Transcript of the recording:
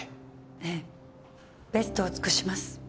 ええベストを尽くします。